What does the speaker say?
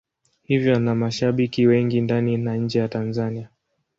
Hivyo ana mashabiki wengi ndani na nje ya Tanzania.